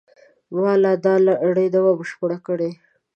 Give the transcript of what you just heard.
ما لا دا لړۍ نه وه بشپړه کړې.